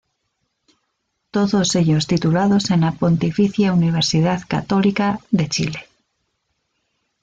Todos ellos titulados en la Pontificia Universidad Católica de Chile.